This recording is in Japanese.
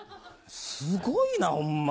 すごいなホンマ！